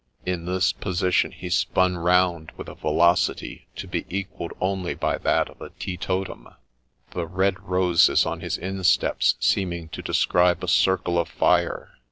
In this position he spun round with a velocity to be equalled only by that of a tee totum, the red roses on his insteps seeming to describe a circle of fire.